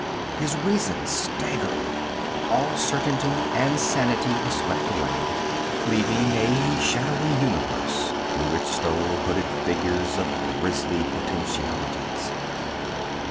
His reason staggered. All certainty and sanity were swept away, leaving a shadowy universe through which stole hooded figures of grisly potentialities.